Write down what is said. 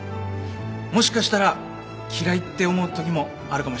もしかしたら嫌いって思うときもあるかもしんねえな。